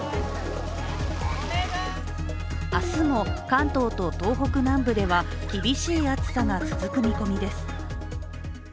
明日も関東と東北南部では厳しい暑さが続く見込みです。